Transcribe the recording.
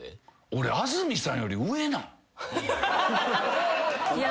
俺安住さんより上なん？